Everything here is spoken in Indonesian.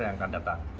yang akan datang